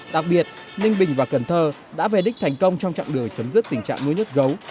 đặc biệt ninh bình và cần thơ đã về đích thành công trong chặng đường chấm dứt tình trạng nuôi nhốt gấu